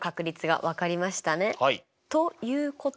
ということは？